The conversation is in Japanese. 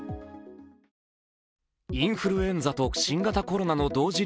インフルエンザと新型コロナの同時